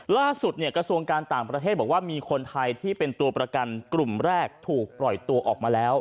ล่าสุดกระทรวงการต่างประเทศบอกว่ามีคนไทยที่เป็นตัวประกันกลุ่มแรกถูกปล่อยตัวออกมาแล้ว